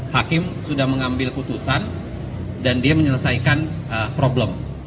hakim sudah mengambil putusan dan dia menyelesaikan problem